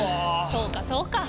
そうかそうか。